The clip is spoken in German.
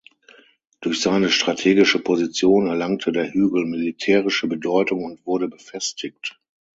Durch seine strategische Position erlangte der Hügel militärische Bedeutung und wurde befestigt.